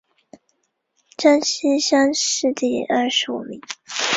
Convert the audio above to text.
江西乡试第二十五名。